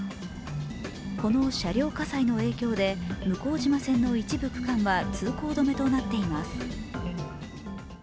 この車両火災の影響で向島線の一部区間は通行止めとなっています。